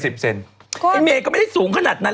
สูงไหว